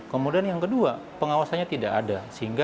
kemudian yang kedua pengawasannya tidak ada